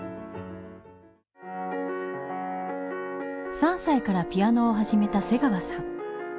３歳からピアノを始めた瀬川さん。